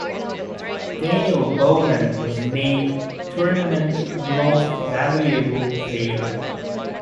Daniel Bowman was named Tournament Most Valuable Player.